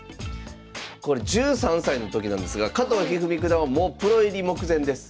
これ１３歳のときなんですが加藤一二三九段はもうプロ入り目前です。